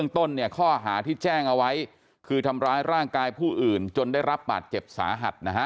ที่แจ้งเอาไว้คือทำร้ายร่างกายผู้อื่นจนได้รับบาดเจ็บสาหัสนะฮะ